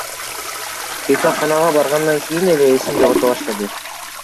Бейтапканага баргандан кийин эле эсин жогото баштады.